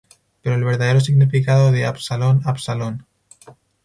Pero el verdadero significado de "¡Absalón, Absalón!